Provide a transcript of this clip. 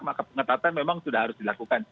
maka pengetatan memang sudah harus dilakukan